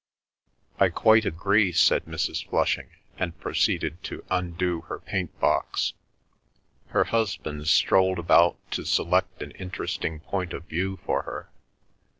"I quite agree," said Mrs. Flushing, and proceeded to undo her paint box. Her husband strolled about to select an interesting point of view for her.